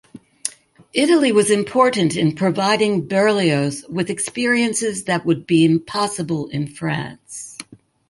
Italy was important in providing Berlioz with experiences that would be impossible in France.